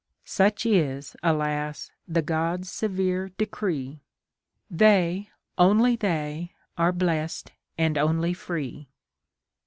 Such is, alas ! the Gods' severe decree : They, only tiiey, are blest, and only tree.